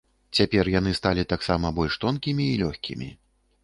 Цяпер яны сталі таксама больш тонкімі і лёгкімі.